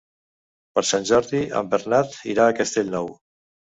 Per Sant Jordi en Bernat irà a Castellnou.